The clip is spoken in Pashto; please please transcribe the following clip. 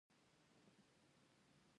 د افباؤ اصول اوربیتالونه ډکوي.